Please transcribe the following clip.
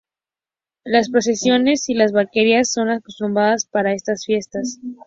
Las procesiones y las vaquerías son acostumbradas para estas fiestas.